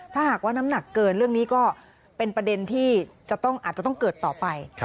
ถ้าหากว่าน้ำหนักเกินเรื่องนี้ก็เป็นประเด็นที่อาจจะต้องเกิดต่อไป